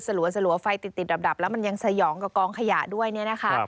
ลัวไฟติดดับแล้วมันยังสยองกับกองขยะด้วยเนี่ยนะคะ